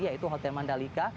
yaitu hotel mandalika